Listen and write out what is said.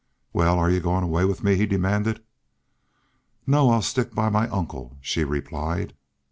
"Wal, are y'u goin' away with me?" he demanded. "No. I'll stick by my uncle," she replied.